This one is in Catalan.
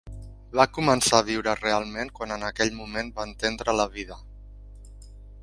Va començar a viure realment quan en aquell moment va entendre la vida.